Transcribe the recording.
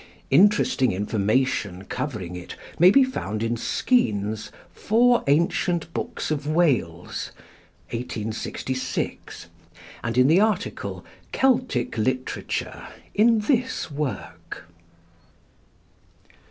Interesting information covering it may be found in Skene's 'Four Ancient Books of Wales' (1866), and in the article 'Celtic Literature' in this work.